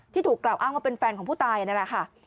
ถูกกล่าวอ้างว่าเป็นแฟนของผู้ตายนั่นแหละค่ะ